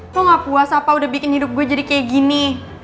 kok gak puas apa udah bikin hidup gue jadi kayak gini